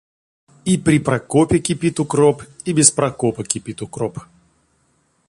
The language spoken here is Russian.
И при Прокопе кипит укроп, и без Прокопа кипит укроп.